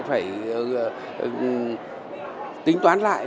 phải tính toán lại